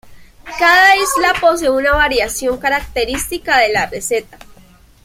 Cada isla posee una variación característica de la receta.